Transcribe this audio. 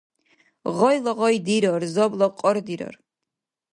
Гъайла — гъай дирар, забла — кьар дирар.